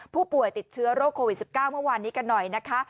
ผู้ป่วยติดเชื้อโรคโควิด๑๙เมื่อวานนี้กันหน่อยนะคะ